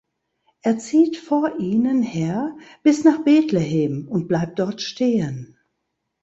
Er zieht vor ihnen her bis nach Betlehem und bleibt dort stehen.